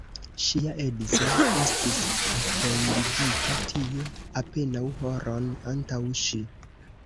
Ŝia edzo estis pendigita tie apenaŭ horon antaŭ ŝi.